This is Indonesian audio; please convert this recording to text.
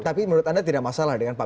tapi menurut anda tidak masalah dengan pak